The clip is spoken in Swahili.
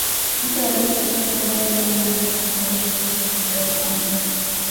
mke wa rais wa kwanza ambaye ndiye mama yake na Uhuru Kenyattatarehe moja